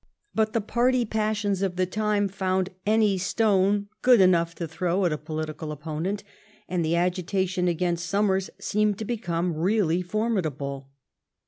But the party passions of the time found any stone good enough to throw at a political opponent, and the agitation against Somers seemed to become really formidable.